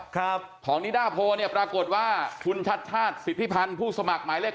ของนิดาโพปรากฏว่าทุนชัดชาติสิทธิพันธ์ผู้สมัครหมายเลข๘